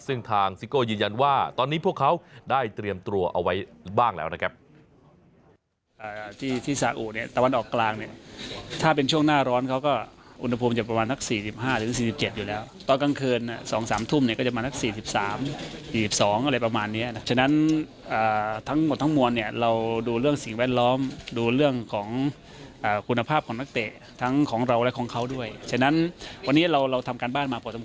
ซึ่งทางซิโก้ยืนยันว่าตอนนี้พวกเขาได้เตรียมตัวเอาไว้บ้างแล้วนะครับ